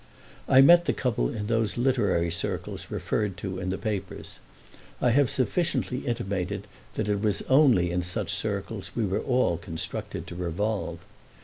I met the couple in those literary circles referred to in the papers: I have sufficiently intimated that it was only in such circles we were all constructed to revolve.